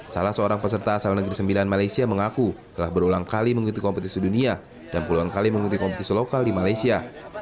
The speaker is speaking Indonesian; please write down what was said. salah seorang peserta asal negeri sembilan malaysia mengaku telah berulang kali mengikuti kompetisi dunia dan puluhan kali mengikuti kompetisi lokal di malaysia